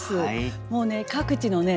もうね各地のね